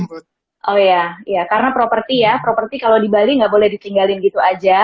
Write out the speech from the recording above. oh iya iya karena properti ya properti kalau di bali nggak boleh ditinggalin gitu aja